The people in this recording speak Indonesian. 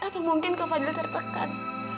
atau mungkin kak fadil tertekan